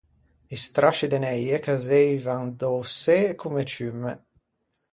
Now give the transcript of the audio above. I strasci de neie cazzeivan da-o çê comme ciumme.